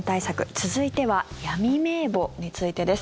続いては、闇名簿についてです。